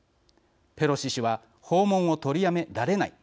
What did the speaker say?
ペロシ氏は訪問を取りやめられない。